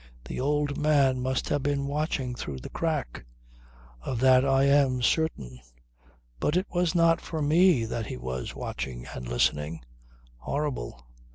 "The old man must have been watching through the crack. Of that I am certain; but it was not for me that he was watching and listening. Horrible!